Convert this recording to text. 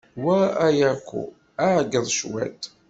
Wa Ayako, ɛeggeḍ cwiṭ.